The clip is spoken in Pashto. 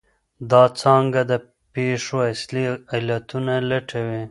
دا څانګه د پېښو اصلي علتونه لټوي.